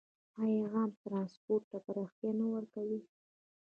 آیا عام ټرانسپورټ ته پراختیا نه ورکوي؟